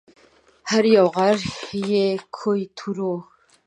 هر یو غر یې کوه طور و